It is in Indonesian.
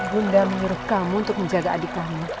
bu mengurus kamu untuk menjaga adik kamu